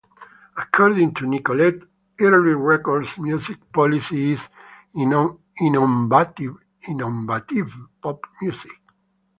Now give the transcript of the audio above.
According to Nicolette, Early Records' music policy is: innovative pop music.